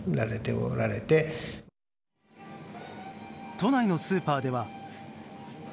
都内のスーパーでは。